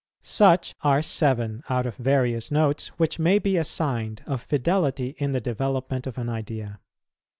Such are seven out of various Notes, which may be assigned, of fidelity in the development of an idea.